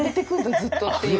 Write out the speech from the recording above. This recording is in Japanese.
ずっとっていう。